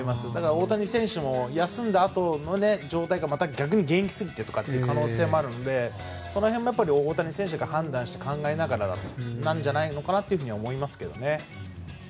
大谷選手も、休んだあとの状態がまた逆に元気すぎてという可能性もあるのでその辺も大谷選手が判断して考えながらなんじゃないかと思いますね。